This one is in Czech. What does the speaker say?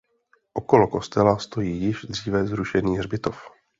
Okolo kostela stojí již dříve zrušený hřbitov.